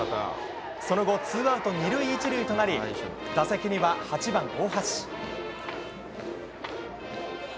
その後ツーアウト２塁１塁となり打席には８番、大橋。